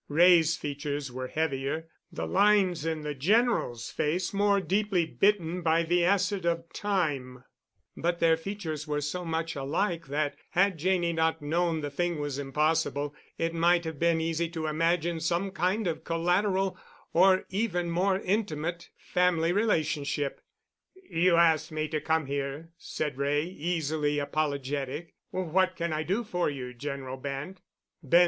Wray's features were heavier, the lines in the General's face more deeply bitten by the acid of Time, but their features were so much alike that, had Janney not known the thing was impossible, it might have been easy to imagine some kind of collateral or even more intimate family relationship. "You asked me to come here," said Wray, easily apologetic. "What can I do for you, General Bent?"